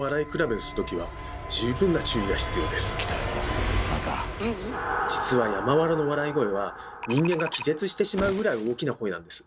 でも実は山童の笑い声は人間が気絶してしまうぐらい大きな声なんです。